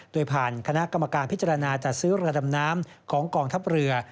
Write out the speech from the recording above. โดยผ่านคณะกรรมการพิจารณาจัดซื้อเรือดำน้ำของกองทัพเรือ